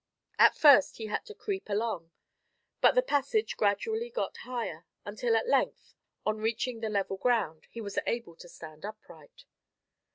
At first, he had to creep along, but the passage gradually got higher, until at length, on reaching the level ground, he was able to stand upright.